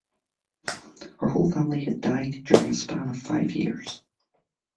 Her whole family had died during a span of five years.